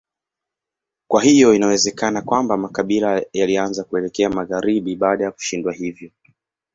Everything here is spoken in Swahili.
Kwa hiyo inawezekana kwamba makabila yalianza kuelekea magharibi baada ya kushindwa hivyo.